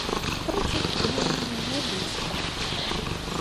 Впрочем, ему и не нужны были справки.